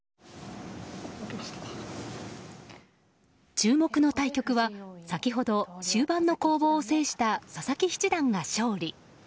注目の対局は先ほど終盤の攻防を制した佐々木七段が勝利。